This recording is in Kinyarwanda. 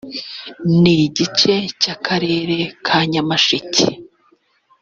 n igice cy akarere ka nyamasheke